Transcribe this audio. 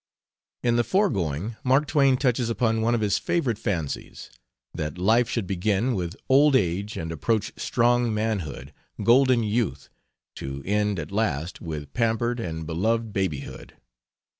In the foregoing Mark Twain touches upon one of his favorite fancies: that life should begin with old age and approach strong manhood, golden youth, to end at last with pampered and beloved babyhood.